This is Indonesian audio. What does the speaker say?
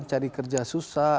cari kerja susah